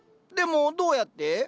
でもどうやって？